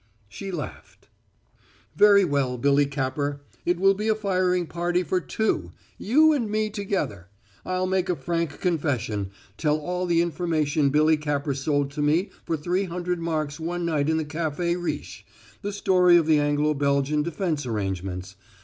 She laughed. "Very well, Billy Capper. It will be a firing party for two you and me together. I'll make a frank confession tell all the information Billy Capper sold to me for three hundred marks one night in the Café Riche the story of the Anglo Belgian defense arrangements.